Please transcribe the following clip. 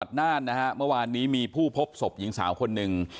น่านนะฮะเมื่อวานนี้มีผู้พบศพหญิงสาวคนหนึ่ง